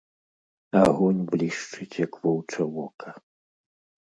Агонь блішчыць, як воўча вока